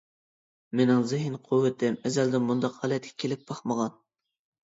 مېنىڭ زېھىن-قۇۋۋىتىم ئەزەلدىن مۇنداق ھالەتكە كېلىپ باقمىغان.